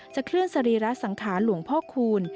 เคลื่อนสรีระสังขารหลวงพ่อคูณ